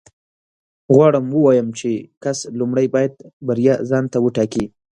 غواړم ووایم چې یو کس لومړی باید بریا ځان ته وټاکي